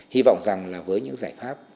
hy vọng rằng là với những giải pháp